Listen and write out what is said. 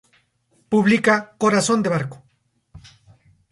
Publica "Corazón de barco".